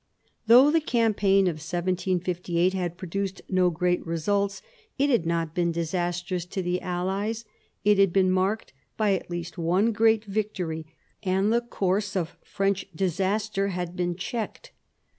Though the campaign of 1758 had produced no great results, it had not been disastrous to the allies ; it had been marked by at least one great victory, and the course of French disaster had been checked.